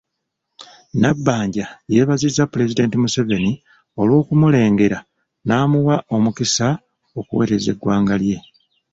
Nabbanja yeebazizza Pulezidenti Museveni olw'okumulengera n’amuwa omukisa okuweereza eggwanga lye.